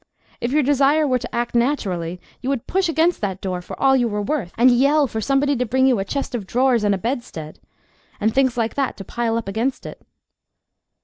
If your desire were to act naturally you would push against that door for all you were worth, and yell for somebody to bring you a chest of drawers and a bedstead, and things like that, to pile up against it.